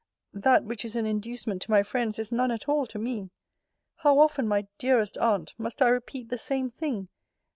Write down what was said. That which is an inducement to my friends, is none at all to me How often, my dearest Aunt, must I repeat the same thing?